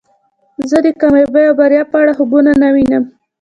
زه د کامیابی او بریا په اړه خوبونه نه وینم